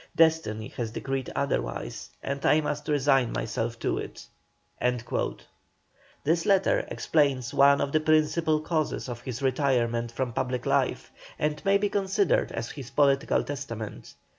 Destiny has decreed otherwise, and I must resign myself to it." This letter explains one of the principal causes of his retirement from public life, and may be considered as his political testament.